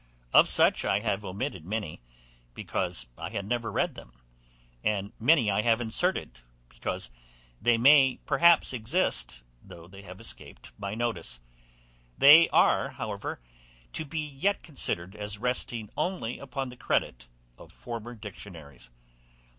Of such I have omitted many, because I had never read them; and many I have inserted, because they may perhaps exist, though they have escaped my notice: they are, however, to be yet considered as resting only upon the credit of former dictionaries.